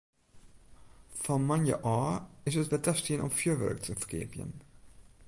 Fan moandei ôf is it wer tastien om fjurwurk te ferkeapjen.